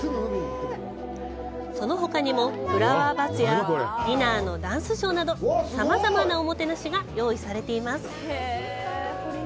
そのほかにも、フラワーバスやディナーのダンスショーなどさまざまなおもてなしが用意されています。